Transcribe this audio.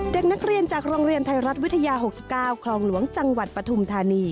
เด็กนักเรียนจากโรงเรียนไทยรัฐวิทยา๖๙คลองหลวงจังหวัดปฐุมธานี